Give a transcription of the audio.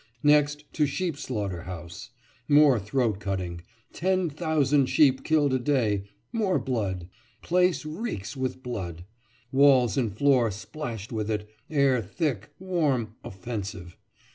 Next to sheep slaughter house. More throat cutting—ten thousand sheep killed a day—more blood. Place reeks with blood; walls and floor splashed with it; air thick, warm, offensive.